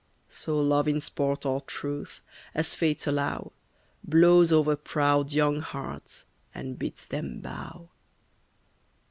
So Love in sport or truth, as Fates allow, Blows over proud young hearts, and bids them bow.